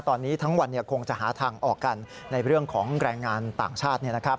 ตอนนี้ทั้งวันคงจะหาทางออกกันในเรื่องของแรงงานต่างชาติ